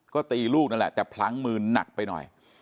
ก็ตีลูกนั่นแหละแต่พลั้งมือหนักไปหน่อย